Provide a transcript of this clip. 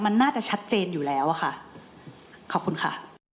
มันน่าจะชัดเจนอยู่แล้วอะค่ะขอบคุณค่ะ